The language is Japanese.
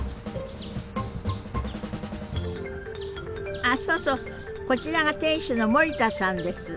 あそうそうこちらが店主の森田さんです。